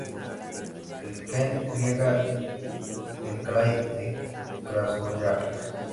El Kan riega el krai de Krasnoyarsk.